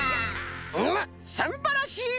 うむすんばらしい！